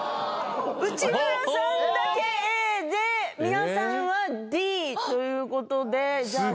内村さんだけＡで皆さんはＤということで。